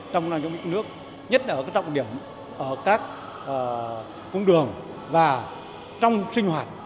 trong năm chống mỹ cứu nước nhất là ở trọng điểm ở các cung đường và trong sinh hoạt